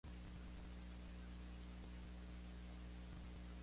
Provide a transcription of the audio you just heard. Está casado con la pintora Yu Hong.